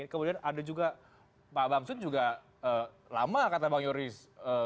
kemudian ada juga pak bamsun juga lama kata bang yoris